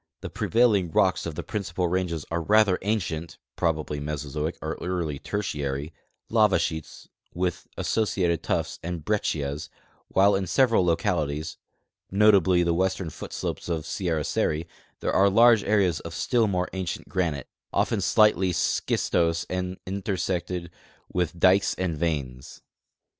The prevailing rocks of the principal ranges are rather ancient (probably Meso zoic or early Tertiary) lava sheets with associated tuff's and brec cias, while in several localities, notably the western foot slopes of Sierra Seri, there are large areas of still more ancient granite, often slightly schistose and intersected with dikes and veins.